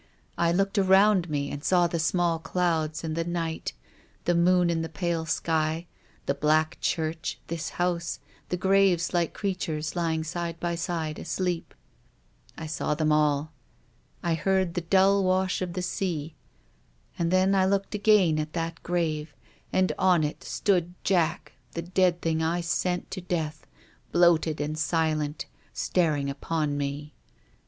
I looked around me and saw the small clouds and the night, the moon in the pale sky, the black church, this house, the graves like creatures lying side by side asleep. I saw them all. I heard the dull wash of the sea. And then I looked again at that grave, and on it stood Jack, the dead thing I sent to death, bloated and silent, staring upon me.